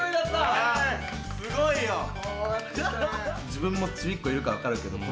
すごいよ。